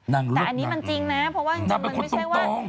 นางเลือกงานนางเป็นคนตรง